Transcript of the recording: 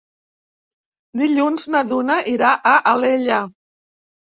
Dilluns na Duna irà a Alella.